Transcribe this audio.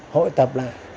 hội tập lại